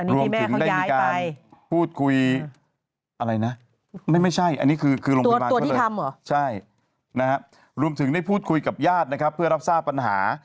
รวมถึงได้มีการพูดคุยรวมถึงได้พูดคุยกับญาติเพื่อรับทราบปัญหา